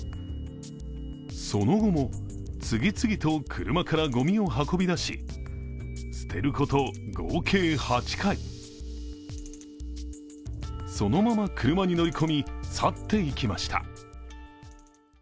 その後も、次々と車からごみを運び出し捨てること合計８回そのまま車に乗り込み去っていきました。